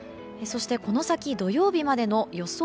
そしてこの先、土曜日までの予想